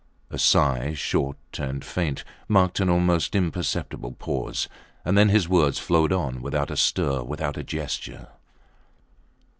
A sigh, short and faint, marked an almost imperceptible pause, and then his words flowed on, without a stir, without a gesture.